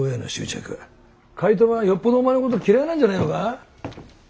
怪盗はよっぽどお前のこと嫌いなんじゃねえのか？